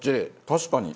確かに。